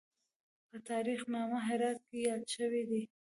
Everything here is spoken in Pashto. په تاریخ نامه هرات کې یاد شوی دی.